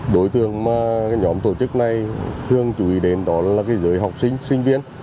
đối tượng mà nhóm tổ chức này thường chủ yếu đến đó là giới học sinh sinh viên